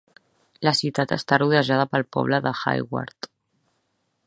La ciutat està rodejada pel poble de Hayward.